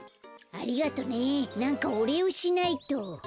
ありがとねなんかおれいをしないと。